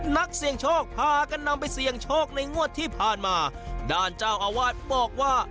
นักเสี่ยงโชคพากันนำไปเสี่ยงโชคในงวดที่ผ่านมาด้านเจ้าอาวาสบอกว่า